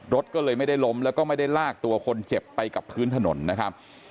รถก็เลยไม่ได้ล้มแล้วก็ไม่ได้ลากตัวคนเจ็บไปกับพื้นถนนนะครับ